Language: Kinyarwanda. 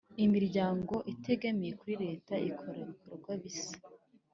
Imiryango itegamiye kuri Leta ikora ibikorwa bisa